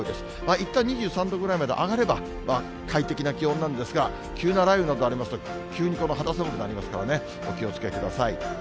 いったん２３度ぐらいまで上がれば、快適な気温なんですが、急な雷雨などありますと、急に肌寒くなりますからね、お気をつけください。